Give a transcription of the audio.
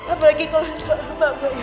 apalagi kalau soal bapaknya